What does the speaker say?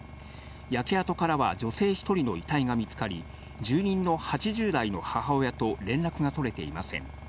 焼け跡からは女性１人の遺体が見つかり、住人の８０代の母親と連絡が取れていません。